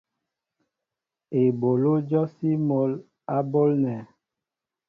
Eɓoló jɔsí mol á ɓólnέ.